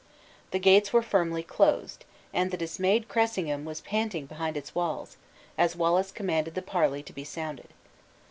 The gates were firmly closed, and the dismayed Cressingham was panting behind its walls, as Wallace commanded the parley to be sounded.